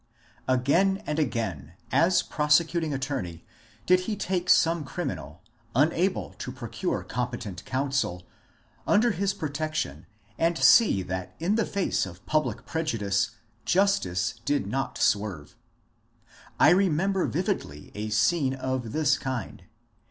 Again and again, as prosecuting attorney, did he take some criminal, unable to procure competent counsel, under his pro tection and see that in the face of public prejudice justice did not swerve. I remember vividly a scene of this kind.